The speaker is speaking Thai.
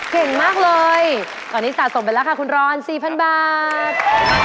เก่งมากเลยตอนนี้สะสมไปแล้วค่ะคุณรอน๔๐๐๐บาท